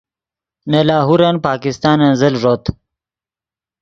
نے لاہور پاکستانن زل ݱوت